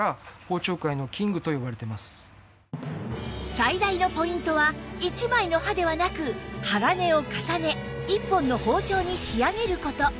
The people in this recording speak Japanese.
最大のポイントは１枚の刃ではなく鋼を重ね１本の包丁に仕上げる事